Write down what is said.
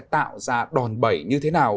tạo ra đòn bẩy như thế nào